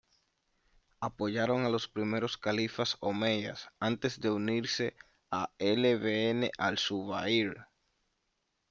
Apoyaron a los primeros califas Omeyas antes de unirse a Ibn al-Zubayr.